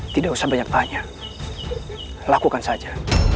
tidak usah banyak tanya lakukan saja